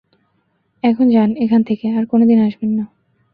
এখন যান, এখান থেকে, আর কোনদিন আসবেন না।